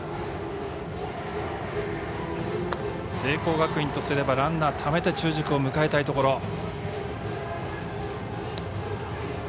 聖光学院とすればランナーためて中軸を迎えたいところ。